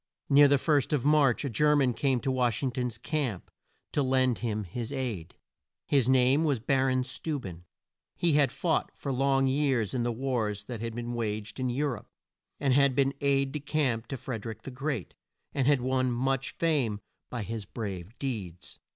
Near the first of March a Ger man came to Wash ing ton's camp to lend him his aid. His name was Bar on Steu ben. He had fought for long years in the wars that had been waged in Eu rope, had been aide de camp to Fred er ick the Great, and had won much fame by his brave deeds.